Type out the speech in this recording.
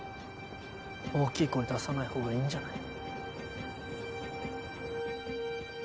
大きい声出さない方がいいんじゃない？